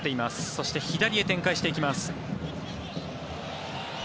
そして左へ展開していきます。